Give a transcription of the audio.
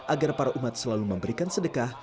agar para umat selalu memberikan sedekah